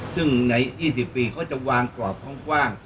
ซึ่งใน๒๐ปีเขาจะวางกรอบกว้าง